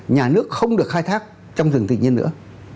nhà nước không được khai thác trong rừng tự nhiên nữa